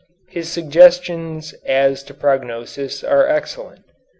His suggestions as to prognosis are excellent.